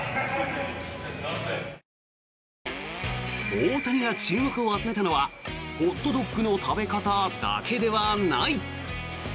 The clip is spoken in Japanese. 大谷が注目を集めたのはホットドッグの食べ方だけではない。